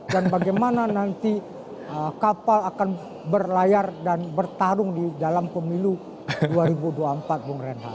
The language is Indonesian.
dan bagaimana nanti kapal akan berlayar dan bertarung di dalam pemilu dua ribu dua puluh empat bung renhal